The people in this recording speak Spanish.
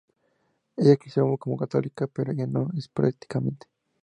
Ella creció como católica, pero ya no es practicante.